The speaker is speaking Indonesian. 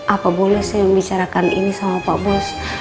apa boleh saya membicarakan ini sama pak bos